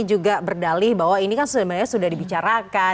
juga berdalih bahwa ini kan sebenarnya sudah dibicarakan